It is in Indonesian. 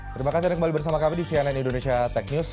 terima kasih anda kembali bersama kami di cnn indonesia tech news